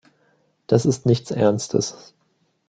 Das ist nichts Ernstes.